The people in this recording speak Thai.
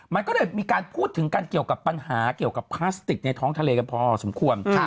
มันก็เลยมีการพูดถึงกันเกี่ยวกับปัญหาเกี่ยวกับพลาสติกในท้องทะเลกันพอสมควร